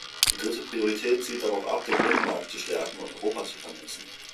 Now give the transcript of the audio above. Die dritte Priorität zielt darauf ab, den Binnenmarkt zu stärken und Europa zu vernetzen.